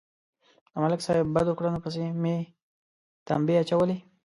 د ملک صاحب بدو کړنو پسې مې تمبې اچولې.